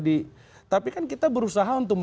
di tapi kan kita berusaha untuk